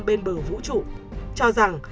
bên bờ vũ trụ cho rằng